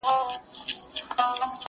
دلته لېونیو نن د عقل ښار نیولی دی!!